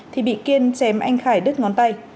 thì bị kiên chém anh khải đứt ngón tay